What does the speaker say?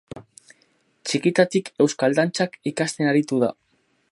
Txikitatik euskal dantzak ikasten aritu da.